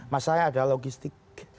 masalahnya ada logistik